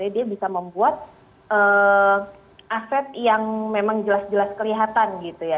dia bisa membuat aset yang memang jelas jelas kelihatan gitu ya